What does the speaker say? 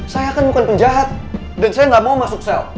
saya bukan penjahat dan saya tidak mau masuk sel